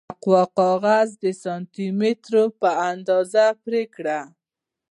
مقوا کاغذ د سانتي مترو په اندازه پرې کړئ.